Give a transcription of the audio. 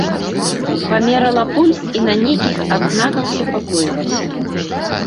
Памерала пульс і на нейкіх адзнаках супакоілася.